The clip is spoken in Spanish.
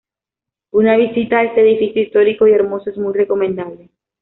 Una visita a este edificio histórico y hermoso es muy recomendable.